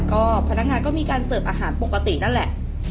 ก็พนักงานก็มีการเสิร์ฟอาหารปกตินั่นแหละ